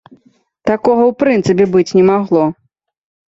Такога ў прынцыпе быць не магло.